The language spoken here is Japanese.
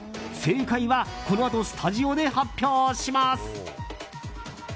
正解はこのあとスタジオで発表します。